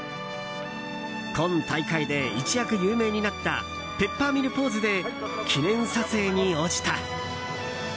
今大会で一躍有名になったペッパーミルポーズで記念撮影に応じた。